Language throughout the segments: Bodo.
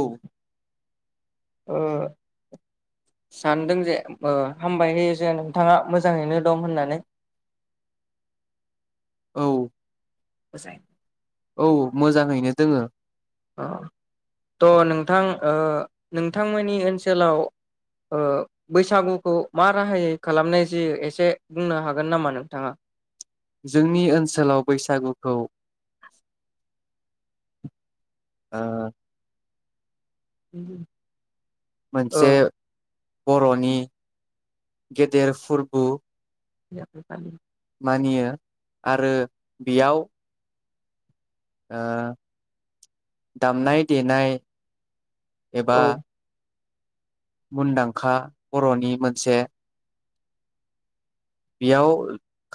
औ। ओ सानदों जे ओ हामबायो जे नोंथाङा मोजाङैनो दं होननानै। औ। अ औ मोजाङैनो दोङो। [unintelligible] थ नोंथां ओ नोंथांमोननि ओनसोलाव ओ बैसागुखौ मा राहायै खालामनाय जायो एसे बुंनो हागोन नामा नोंथाङा। जोंनि ओनसोलाव बैसागुखौ। ओ। [unintelligible] औ मोनसे बर'नि। गेदेर फुरबु। [unintelligible] मानियो आरो बेयाव। ओ दामनाय देनाय। एबा। औ मुनदांखा बरनि मोनसे। बेयाव।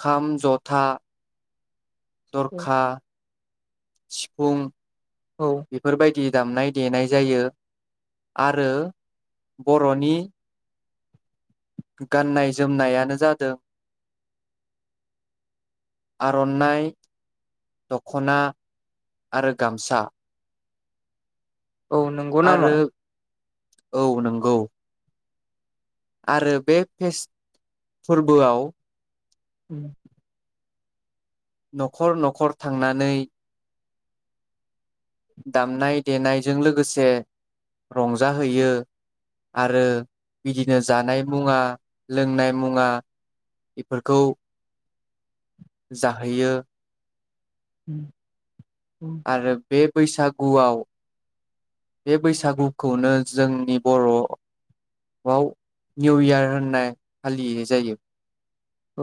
खाम जथा। दरखा। सिफुं। औ बेफोरबायदि दामनाय देनाय जायो आरो बर'नि गाननाय जोमनायानो -' जादों आरनाय। दखना आरो गामसा। औ नंगौ नामा? आरो औ नंगौ। आरो बे फेस फोरबोआव उम। नखर नखर थांनानै दामनाय देनाय -' जों लोगोसे रंजाहैयो। आरो बिदिनो जानाय मुवा लोंनाय मुवा बेफोरखौ जाहैयो। उम आरो बे बैसागुआव बे बैसागुखौनो जोंनि बरआव निउ इयार होनना फालिनाय जायो। औ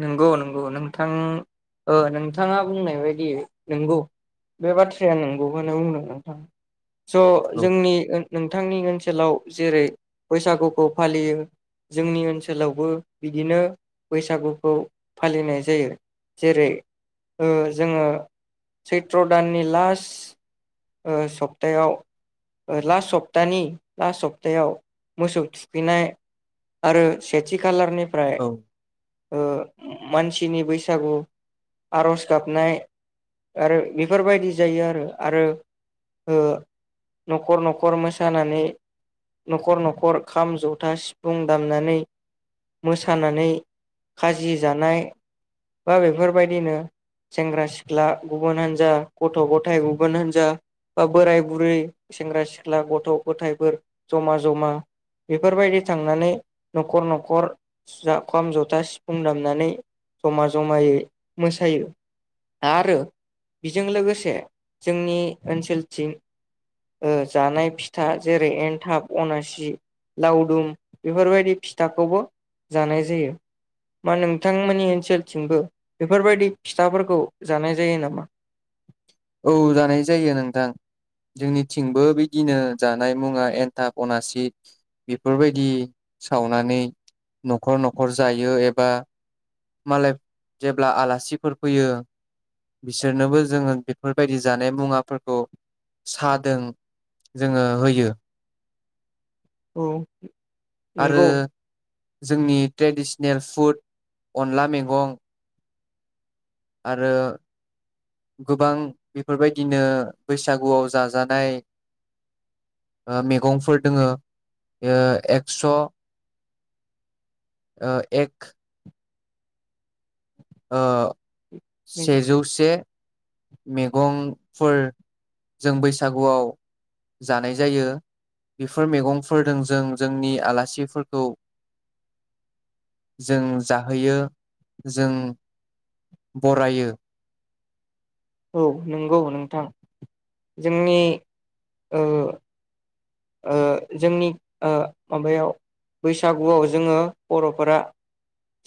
नंगौ नंगौ नोंथां ओ नोंथाङा बुंनाय बायदि नंगौ बे बाथ्राया नंगौ खौनो बुंदों नोंथां। स औ जोंनि ओ नोंथांनि ओनसोलाव जेरै बैसागुखौ फालियो जोंनि ओनसोलावबो बिदिनो बैसागुखौ फालिनाय जायो जेरै ओ जोङो सैथ्र दाननि लास्ट ओ सप्तायाव ओ लास्ट सप्तानि लास्ट सप्तायाव मोसौ थुखैनाय आरो सेथि खालारनि फ्राय औ ओ मानसिनि बैसागु आरज गाबनाय आरो इफोरबायदि जायो आरो आरो ओ नखर नखर मोसानानै नखर नखर खाम जथा सिफुं दामनानै मोसानानै खाजि जानाय बा बेफोरबायदिनो सेंग्रा सिख्ला गुबुन हान्जा गथ' गथाइ गुबुन हान्जा बा बोराय बुरै सेंग्रा सिख्ला गथ' गथायफोर जमा जमा बेफोरबायदि थांनानै नखर नखर [unintelligible] जथा सिफुं दामनानै जमा जमायै मोसायो आरो बेजों लोगोसे जोंनि ओनसोलथिं ओ जानाय फिथा जेरै एनथाब अनासि लावदुम बेफोरबायदि फिथाखौबो जानाय जायो। मा नोंथांमोननि ओनसोलथिंबो बेफोरबायदि फिथाफोरखौ जानाय जायो नामा? औ जानाय जायो नोंथां। जोंनि थिंबो बिदिनो जानाय मुवा एन्थाब अनासि बेफोरबायदि सावनानै नखर नखर जायो एबा मालाय जेब्ला आलासिफोर फैयो बिसोरनोबो जोङो बेफोरबायदि जानाय मुवाफोरखौ सादों जोङो होयो। औ। आरो नंगौ जोंनि ट्रेदिस सनेेल फुद अनला मेगं आरो गोबां बेफोरबायदिनो बैसागुआव जाजानाय ओ मैगंफोर दोङो ओ एक्स ओ एक ओ सेजौ से मेगंफोर जों बैसागुआव जानाय जायो। बेफोर मेगंफोर जोंजों जोंनि आलासिफोरखौ जों जाहोयो जों बरायो। औ नंगौ नोंथां जोंनि ओ ओ जोंनि ओ माबायाव बैसागुआव जोङो बर'फोरा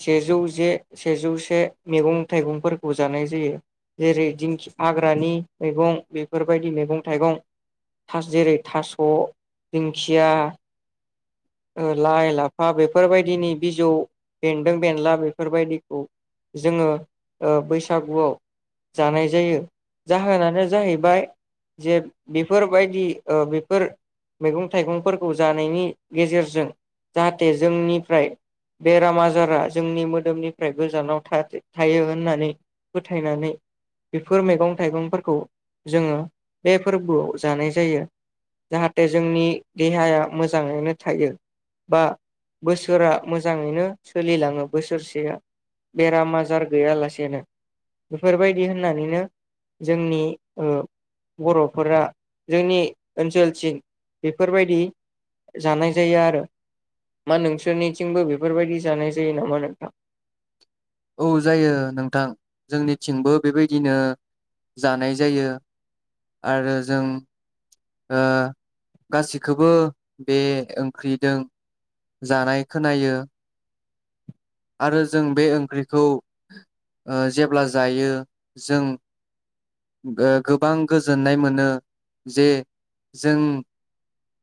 सेजौ जे सेजौसे मेगं थाइगंफोरखौ जानाय जायो। जेरै दिंखि हाग्रानि मैगं बेफोरबायदि मैगं थाइगं थास जेरै थास' दिंखिया लाइ लाफा बेफोरबायदिनि बिजौ बेन्दों बेनला बेफोरबायदिखौ जोङो ओ बैसागुआव जानाय जायो। जाहोनानो जाहैबाय जे बेफोरबायदि बेफोर मैगं थाइगंफोरखौ जानायनि गेजेरजों जाहाथे जोंनिफ्राय बेराम आजारा जोंनि मोदोमनिफ्राय गोजानाव थायो होननानै फोथायनानै बेफोर मैगं थाइगंफोरखौ जोङो बे फोरबोआव जानाय जायो। जाहाथे जोंनि देहाया मोजाङैनो थायो बा बोसोरा मोजाङैनो सोलिलाङो बोसोरसेया बेराम आजार गैयालासेनो बेफोरबायदि होननानैनो जोंनि ओ बर'फोरा जोंनि ओनसोलथिं बेफोरबायदि जानाय जायो आरो। मा नोंसोरनिथिंबो बेफोरबायदि जानाय जायो नामा नोंथां? औ जायो नोंथां जोंनिथिंबो बेबायदिनो जानाय जायो आरो जों ओ गासिखौबो बे ओंख्रि जों जानाय खोनायो। आरो जों बे ओं ख्रिखौ ओ जेब्ला जायो जों गोबां गोजोननाय मोनो जे जों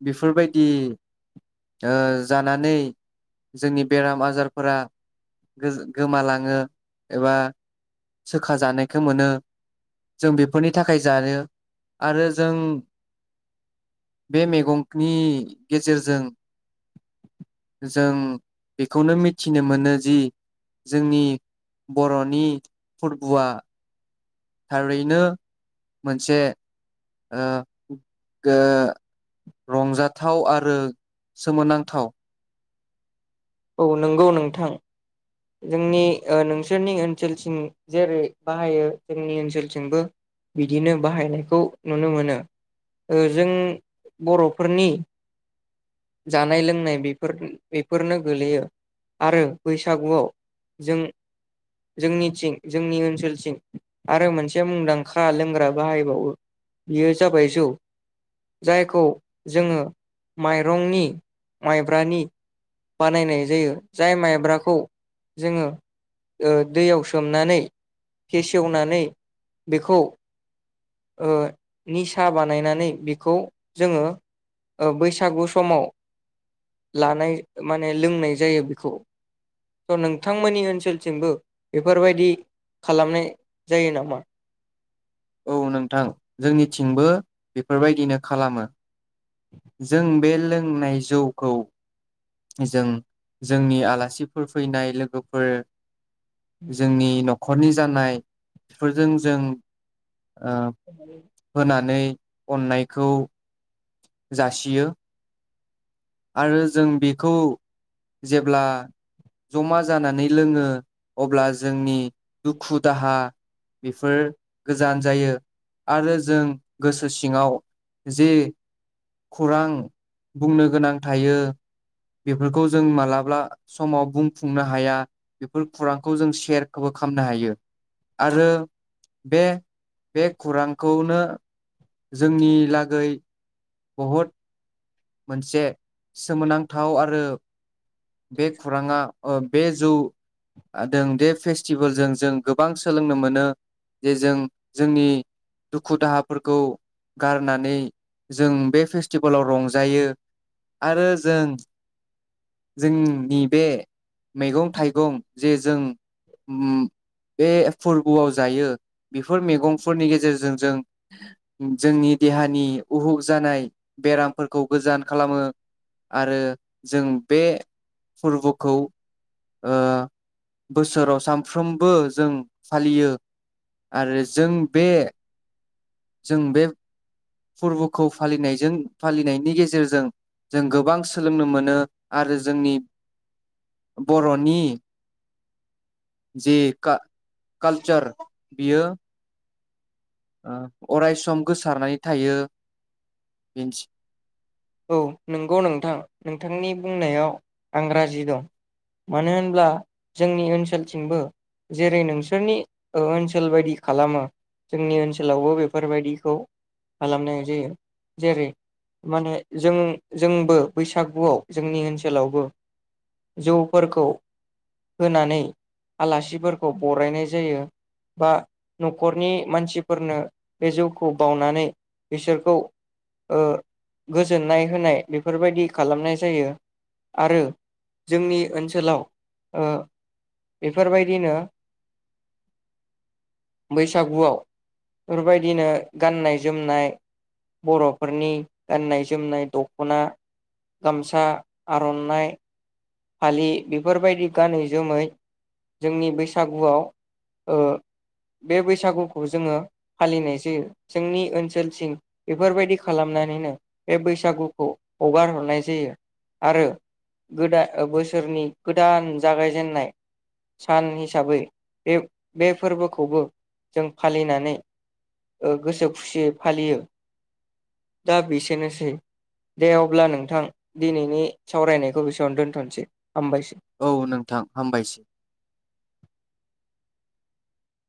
बेफोरबायदि। ओ जानानै जोंनि बेराम आजारफोरा गोमालाङो एबा सोखा जानायखौ मोनो जों बेफोरनि थाखाय जायो। आरो जों बे मैगंनि गेजेरजों जों। बेखौनो मिथिनो मोनो। जि जोंनि। बरनि फोरबुआ थारैनो मोनसे ओ गो रंजाथाव आरो सोमोनांथाव। औ नंगौ नोंथां जोंनि ओ नोंसोरनि ओनसोलथिं जेरै बाहायो जोंनि ओनसोलथिंबो बिदिनो बाहायनायखौ नुनो मोनो जों बरफोरनि जानाय लोंनाय बेफोर बेफोरनो। गोग्लैयो आरो बैसागुआव जों जोंनिथिं जोंनि ओनसोलथिं आरो मोनसे मुंदांखा लोंग्रा बाहायबावो बेयो जाबाय जौ जायखौ जोङो माइरंनि माइब्रानि बानायनाय जायो जाय माइब्राखौ जोङो ओ दैयाव सोमनानै फेसेवनानै बेखौ ओ निसा बानायनानै बेखौ जोङो ओ बैसागु समाव लानाय माने लोंनाय जायो बेखौ नोंथांमोननि ओनसोलथिमबो बेफोरबायदि खालामनाय जायो नामा? औ नोंथां जोंनिथिंबो बे फोरबायदिनो खालामो। जों बे लोंनाय जौखौ जों जोंनि आलासिफोर फैनाय लोगोफोर जोंनि नखरनि जानाय बेफोरजों जों ओ होनानै अननायखौ जासियो। आरो जों बेखौ जेब्ला जमा जानानै लोङो अब्ला जोंनि दुखु दाहा बेफोर गोजान जायो आरो जों गोसो सिङाव जे खौरां बुंनो गोनां इयो बेफोरखौ जों मालाब्ला समाव बुंफुंनो हाया बेफोर खौरांखौ जों सेयारखौबो खामनो हायो। आरो बे बे खौरांखौनो जोंनि लागै बहुद मोनसे सोमोनांथाव आरो बे खुराङा ओ बे जौ हादों बे फेस्टिभेलजों जों गोबां सोलोंनो मोनो। जे जों जोंनि दुखु दाहाफोरखौ गारनानै जों बे फेस्टिभेलाव रं जायो आरो जों जोंनि बे मैगं थाइगं जेजों [inaudible] बे फोरबोआव जायो बेफोर मैगंफोरनि गेजेरजों जों [inaudible] जोंनि देहानि औ उहुग जानाय बेराम गोजान खालामो आरो जों बे फोरबुखौ ओ बोसोराव सानफ्रोमबो जों फालियो आरो जों बे जों बे फोरबुखौ फालिनायजों फालिनायनि गेजेरजों जों गोबां सोलोंनो मोनो आरो जोंनि बर'नि जे का-कालचार बियो अ अरायसम गोसारनानै थायो [unintelligible] औ नोंगौ नोंथां नोंथांनि बुंनायाव आं राजि दं मानो होनब्ला जोंनि ओनसोलथिंबो जेरै नोंसोरनि ओ ओनसोल बायदि खालामो जोंनि ओनसोलावबो बेफोरबायदिखौ खालामनाय जायो। जेरै माने जों जोंबो बैसागुआव जोंनि ओनसोलावबो जौफोरखौ होनानै आलासिफोरखौ बरायनाय जायो बा नखरनि मानसिफोरनो बे जौखौ बावनानै बिसोरखौ ओ गोजोननाय होनाय बेफोरबायदि खालामनाय जायो आरो जोंनि ओनसोलाव ओ बेफोरबायदिनो बैसागुआव बेफोरबायदिनो गाननाय जोमनाय बर'फोरनि गाननाय जोमनाय दखना, गामसा, आर'न्नाइ, फालि बेफोरबायदि गानै जोमै जोंनि बैसागुआव ओ बे बैसागुखौ जोङो फालिनाय जोयो जोंनि ओनसोलथिं बेफोरबायदि खालामनानैनो बे बैसागुखौ हगार हरनाय जायो आरो गोदा ओ बोसोरनि गोदान जागायजेननाय सान हिसाबै बे बे फोरबोखौबो जों फालिनानै ओ गोसो खुसियै फालियो। दा बेसेनोसै दे अब्ला नोंथां दिनैनि सावरायनायखौ बेसेयावनो दोन्थन [inaudible] औ नोंथां हामबायस